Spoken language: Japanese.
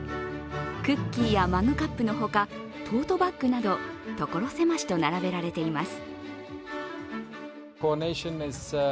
クッキーやマグカップのほか、トートバッグなど所狭しと並べられています。